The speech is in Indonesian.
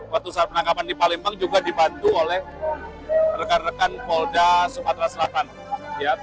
waktu saat penangkapan di palembang juga dibantu oleh rekan rekan polda sumatera selatan